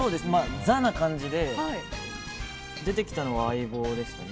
ザな感じで出てきたのは「相棒」でしたね。